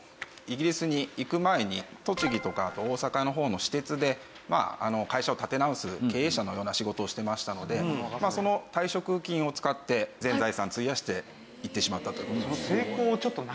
イギリスに行く前に栃木とかあと大阪の方の私鉄で会社を立て直す経営者のような仕事をしてましたのでその退職金を使って全財産費やして行ってしまったという事ですね。